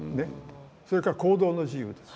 それから行動の自由です。